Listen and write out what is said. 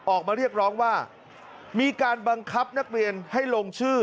ออกมาเรียกร้องว่ามีการบังคับนักเรียนให้ลงชื่อ